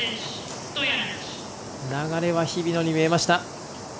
流れは日比野に見えました。